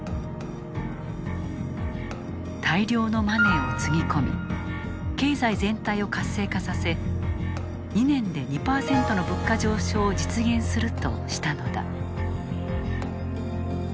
大量のマネーをつぎ込み経済全体を活性化させ２年で２％の物価上昇を実現するとしたのだ。